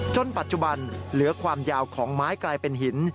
จนปัจจุบันเหลือความยาวของไม้กลายเป็นหิน